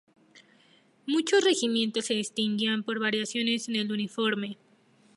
Muchos regimientos se distinguían por variaciones en el uniforme.